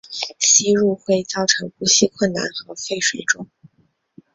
吸入会造成呼吸困难和肺水肿。